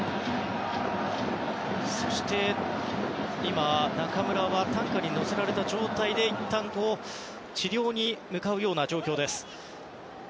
そして今、中村は担架に乗せられた状態でいったん治療に向かう状況です。